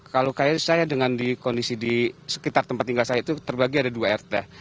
kalau saya dengan di kondisi di sekitar tempat tinggal saya itu terbagi ada dua rt